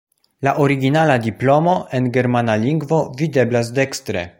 La originala diplomo, en germana lingvo, videblas dekstre.